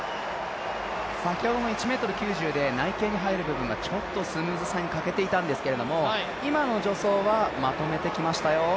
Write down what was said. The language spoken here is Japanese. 先ほどの１ｍ９０で内傾に入る部分でちょっとスムーズさに欠けていてたんですけれども、今の助走はまとめてきましたよ。